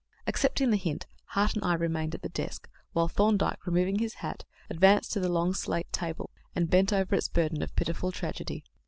Accepting the hint, Hart and I remained at the desk, while Thorndyke, removing his hat, advanced to the long slate table, and bent over its burden of pitiful tragedy.